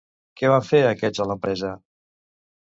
Què van fer aquests a l'empresa?